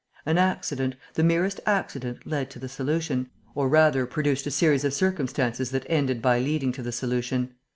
An accident, the merest accident led to the solution, or rather produced a series of circumstances that ended by leading to the solution.